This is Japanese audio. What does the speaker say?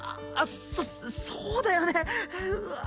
そそうだよねうわ